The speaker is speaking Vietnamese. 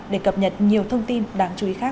để cập nhật nhiều thông tin đáng chú ý khác